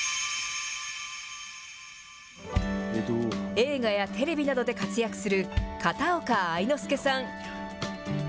映画やテレビなどで活躍する片岡愛之助さん。